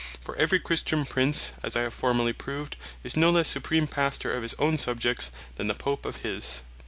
For every Christian Prince, as I have formerly proved, is no lesse Supreme Pastor of his own Subjects, than the Pope of his.